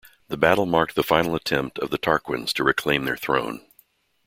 The battle marked the final attempt of the Tarquins to reclaim their throne.